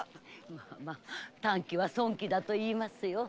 まあまあ「短気は損気」だといいますよ。